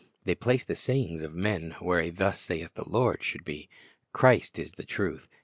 They place the sayings of men where a "Thus saith the Lord" should be. Christ is the truth.